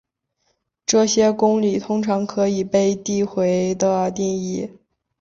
这些公理通常可以被递回地定义。